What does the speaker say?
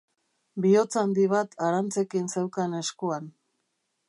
Bihotz handi bat arantzekin zeukan eskuan.